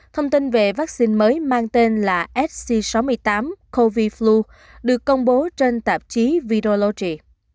thông tin về vaccine mới mang tên là sc sáu mươi tám cov flu được công bố trên tạp chí virology